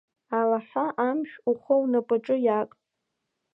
Алаҳәа амшә, ухы унапаҿы иааг!